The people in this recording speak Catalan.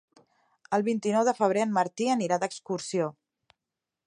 El vint-i-nou de febrer en Martí anirà d'excursió.